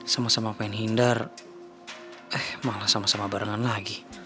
sama sama pengen hindar eh malah sama sama barengan lagi